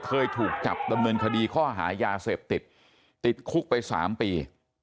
เคยถูกจับดำเนินคดีข้อหายาเสพติดติดคุกไป๓ปี